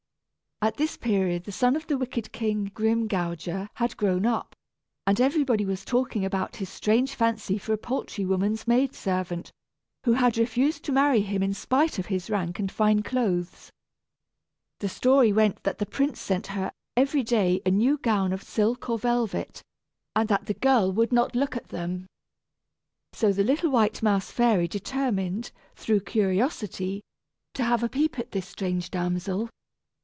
At this period the son of the wicked King Grimgouger had grown up, and everybody was talking about his strange fancy for a poultry woman's maid servant, who had refused to marry him in spite of his rank and fine clothes. The story went that the prince sent her, every day, a new gown of silk or velvet, and that the girl would not look at them. So the little white mouse fairy determined, through curiosity, to have a peep at this strange damsel.